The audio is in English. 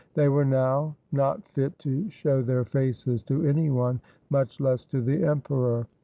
They were now not fit to show their faces to any one, much less to the Emperor.